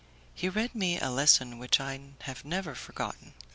He read me a lesson which I have never forgotten.